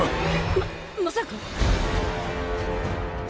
ままさか！？